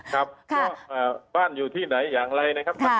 ครับก็บ้านอยู่ที่ไหนอย่างไรนะครับ